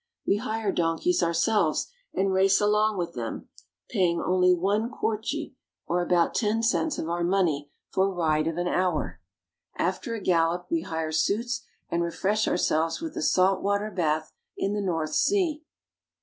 We hire donkeys ourselves, and race along with them, paying only one kwartje, or about ten cents of our money, for a ride of an hour. After a gallop we hire suits and refresh ourselves with a salt water bath in the North Sea.